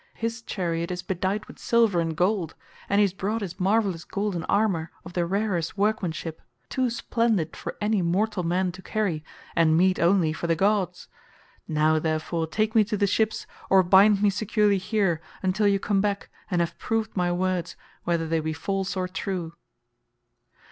His chariot is bedight with silver and gold, and he has brought his marvellous golden armour, of the rarest workmanship—too splendid for any mortal man to carry, and meet only for the gods. Now, therefore, take me to the ships or bind me securely here, until you come back and have proved my words whether they be false or true."